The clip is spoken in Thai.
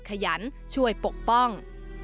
ขยันช่วยปกป้อง